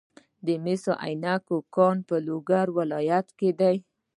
د مس عینک کان په لوګر ولایت کې دی.